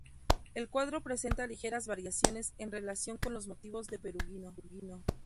El cuadro presenta ligeras variaciones en relación con los motivos de Perugino.